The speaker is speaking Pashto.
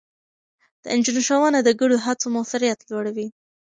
د نجونو ښوونه د ګډو هڅو موثريت لوړوي.